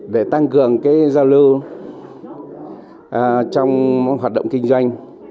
để tăng cường giao lưu trong hoạt động kinh doanh